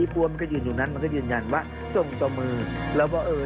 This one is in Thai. พวกฟุ้๋นก็ยืนยันยืนยันว่าเฉยเหรอ